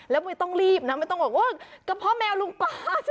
แล้วไม่ต้องรีบนะไม่ต้องบอกว่ากระเพาะแมวลุงปลาสิ